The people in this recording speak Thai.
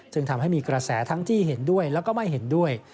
ทำให้มีกระแสทั้งที่เห็นด้วยแล้วก็ไม่เห็นด้วย